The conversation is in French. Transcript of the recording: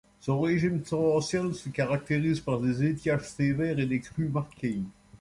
Son régime torrentiel se caractérise par des étiages sévères et des crues marquées.